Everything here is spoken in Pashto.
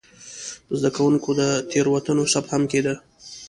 د زده کوونکو د تېروتنو ثبت هم کېده.